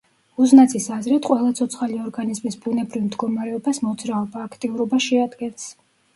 უზნაძის აზრით, ყველა ცოცხალი ორგანიზმის ბუნებრივ მდგომარეობას მოძრაობა, აქტიურობა შეადგენს.